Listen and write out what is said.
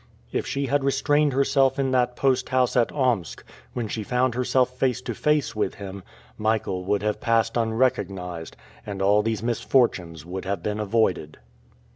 If she had restrained herself in that post house at Omsk, when she found herself face to face with him, Michael would have passed unrecognized, and all these misfortunes would have been avoided.